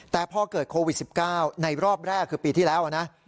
แต่พอเกิดโควิด๑๙ในรอบแรกคือปีที่แล้วนะ